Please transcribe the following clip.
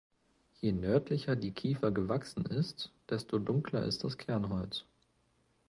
Je nördlicher die Kiefer gewachsen ist, desto dunkler ist das Kernholz.